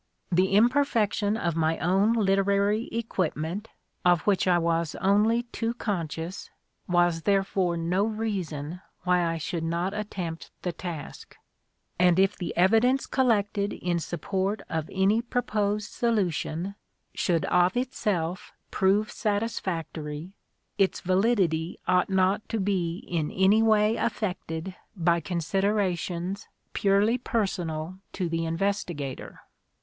The imperfection of my own literary equipment, of which I was only too conscious, was therefore no reason why I should not attempt the task ; and if the evidence collected in support of any proposed solution should of itself prove satis factory, its validity ought not to be in any way affected by considerations purely personal to the investigator.